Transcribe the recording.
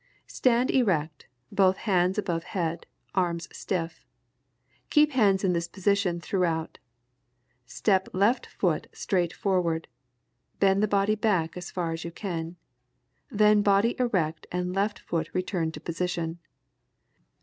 _] Stand erect, both hands above head, arms stiff. Keep hands in this position throughout, step left foot straight forward, bend the body back as far as you can. Then body erect and left foot returned to position.